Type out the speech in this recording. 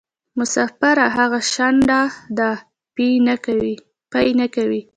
مسافره هغه شڼډه ده پۍ نکوي.